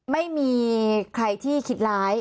ไม่มีใครที่คิดร้าย